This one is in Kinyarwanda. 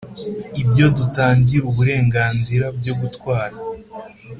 ibyo dutangira uburenganzira byo gutwara